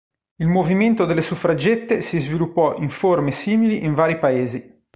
Il movimento delle suffragette si sviluppò in forme simili in vari paesi.